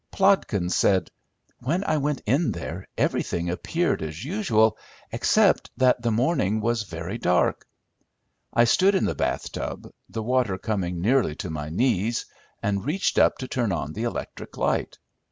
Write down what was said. Plodkins said, "When I went in there everything appeared as usual, except that the morning was very dark. I stood in the bath tub, the water coming nearly to my knees, and reached up to turn on the electric light.